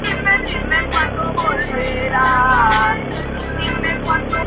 El efecto sobre la minería británica fue profundo.